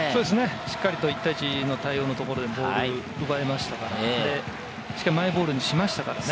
しっかりと１対１の対応のところでボールを奪いましたので、しかもマイボールにしましたからね。